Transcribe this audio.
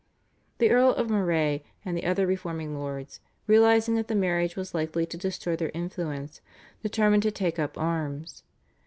The Earl of Moray and the other reforming lords, realising that the marriage was likely to destroy their influence, determined to take up arms.